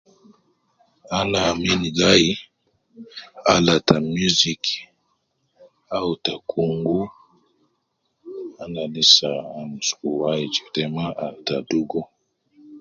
Anaa min gai, ala ta muziki au ta kungu, ana lisa amsuku wai jede ma al ta dugu